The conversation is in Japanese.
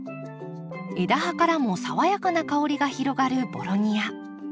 枝葉からも爽やかな香りが広がるボロニア。